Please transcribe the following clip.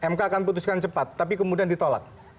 mk akan putuskan cepat tapi kemudian ditolak